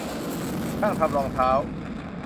ช่างทำรองเท้า